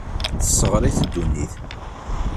Tesseɣr-it ddunit.